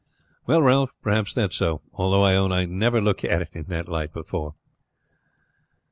"Well, Ralph, perhaps that is so, although I own I never looked at it in that light before."